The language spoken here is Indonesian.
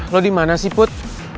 lo dimana sih put